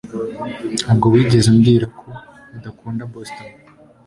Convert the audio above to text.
Ntabwo wigeze umbwira ko udakunda Boston.